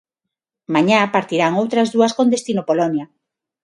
Mañá partirán outras dúas con destino Polonia.